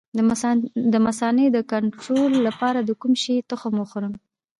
د مثانې د کنټرول لپاره د کوم شي تخم وخورم؟